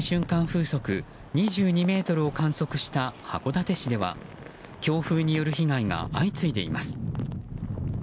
風速２２メートルを観測した函館市では強風による被害が相次いでいます。